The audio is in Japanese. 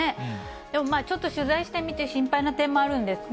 でもちょっと取材してみて、心配な点もあるんですね。